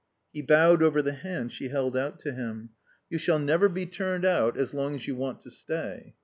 He bowed over the hand she held out to him. "You shall never be turned out as long as you want to stay."